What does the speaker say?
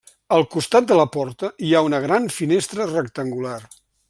Al costat de la porta hi ha una gran finestra rectangular.